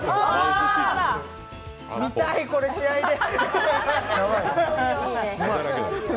見たい、これ試合で。